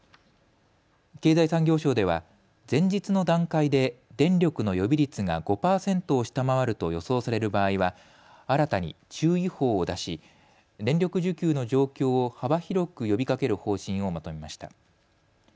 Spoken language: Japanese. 経済産業省では前日の段階で電力の予備率が５％を下回ると予想される場合は新たに注意報を出し、電力需給の状況を幅広く呼びかける方針をまとめました。